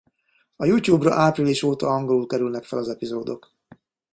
A YouTube-ra április óta angolul kerülnek fel az epizódok.